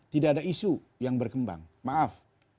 tidak ada isu yang berkembang maaf